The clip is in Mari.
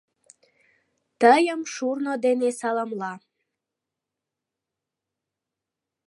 Тыйым шурно дене саламла.